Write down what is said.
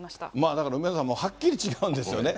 だから、梅沢さん、もうはっきり違うんですよね。